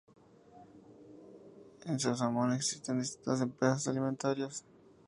En Sasamón existen distintas empresas alimentarias.